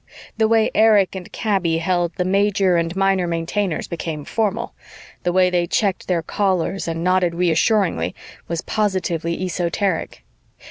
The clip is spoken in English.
The way Erich and Kaby held the Major and Minor Maintainers became formal; the way they checked their Callers and nodded reassuringly was positively esoteric.